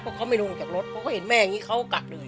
เพราะเขาไม่ลุงจากรถเขาก็เห็นแม่อย่างงี้เขากักเลย